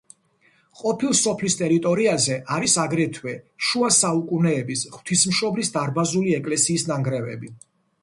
ყოფილ სოფლის ტერიტორიაზე არის აგრეთვე შუა საუკუნეების ღვთისმშობლის დარბაზული ეკლესიის ნანგრევები.